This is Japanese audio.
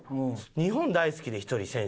日本大好きで１人選手が。